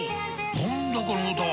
何だこの歌は！